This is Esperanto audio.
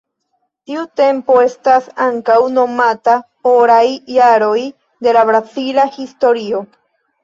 Tiu tempo estas ankaŭ nomata "oraj jaroj" de la brazila historio.